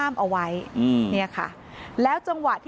เมื่อเวลาอันดับ